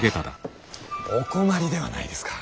お困りではないですか。